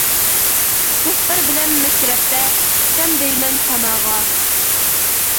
دوستلار بىلەن مەشرەپتە، چۈشسەم دەيمەن ساماغا.